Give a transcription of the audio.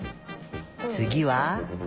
つぎは？